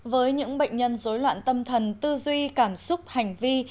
với những bệnh nhân dối loạn tâm thần tư duy cảm xúc hành vi